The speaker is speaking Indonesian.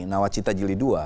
nawat cita jilidua